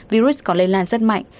virus còn lây lan rất mạnh